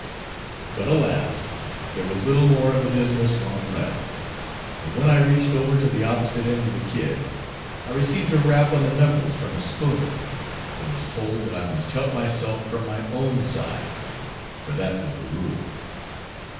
But alas! there was little more of the Dismal Swamp left, and when I reached over to the opposite end of the kid, I received a rap on the knuckles from a spoon, and was told that I must help myself from my own side, for that was the rule.